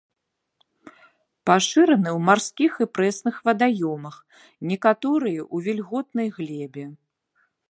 Пашыраны ў марскіх і прэсных вадаёмах, некаторыя ў вільготнай глебе.